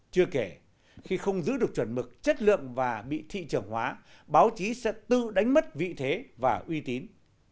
chưa kể khi không giữ được chuẩn mực chất lượng và bị thị trường hóa báo chí sẽ tự đánh mất vị thế và uy tín